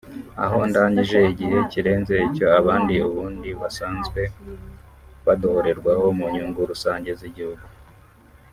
aho ndangije igihe kirenze icyo abandi ubundi basanzwe badohorerwaho mu nyungu rusange z’igihugu